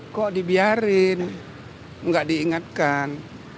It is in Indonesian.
kok dibiarin gak diingatkan